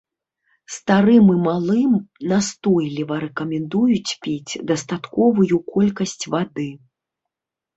Старым і малым настойліва рэкамендуюць піць дастатковую колькасць вады.